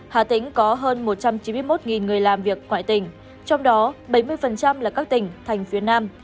hà tĩnh có hơn một trăm chín mươi một người làm việc ngoại tỉnh trong đó bảy mươi là các tỉnh thành phía nam